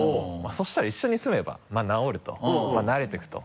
そうしたら「一緒に住めば直る」と「慣れていく」と。